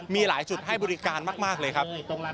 มีหลายจุดให้บริการมากเลยครับ